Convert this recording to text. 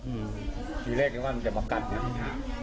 อืมทีเลขภาพว่ามันจะมากัดหรือเปล่าครับ